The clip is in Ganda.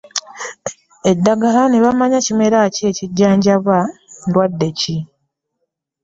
Eddagala ne bamanya kimera ki, kijjanjaba ndwadde ki?